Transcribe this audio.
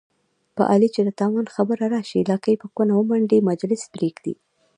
په علي چې د تاوان خبره راشي، لکۍ په کونه ومنډي، مجلس پرېږدي.